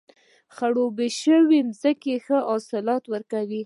خړوبې شوې ځمکه ښه حاصلات ورکوي.